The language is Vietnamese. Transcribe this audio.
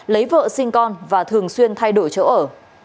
lấy vợ sinh con và thường xuyên thay đổi chỗ ở